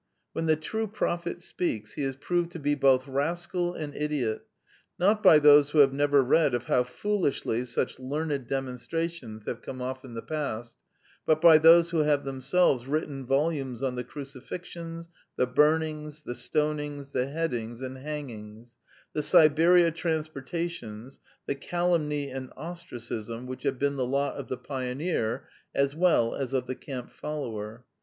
When the true prophet speaks, he is proved to be both rascal and idiot, not by those who have never read of how foolishly such learned demonstrations have come oS in the past, but by those who have themselves written volumes on the crucifixions, the burnings, the stonings, the headings and hangings, the Siberia transporta tions, the calumny and ostracism which have been the lot of the pioneer as well as of the camp fol lower.